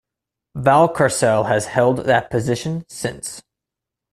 Valcarcel has held that position since.